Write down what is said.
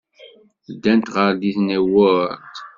Ddant ɣer Disney World.